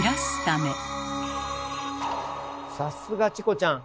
さすがチコちゃん！